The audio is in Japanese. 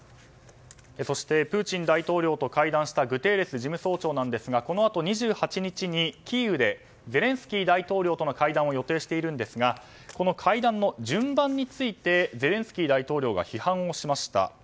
そして、プーチン大統領と会談したグテーレス事務総長ですがこのあと２８日にキーウでゼレンスキー大統領との会談を予定しているんですがこの会談の順番についてゼレンスキー大統領が批判をしました。